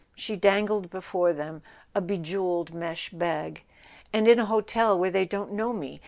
She dangled before them a bejewelled mesh bag. "And in a hotel where they don't know me.